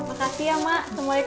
nggak kenapa napa mak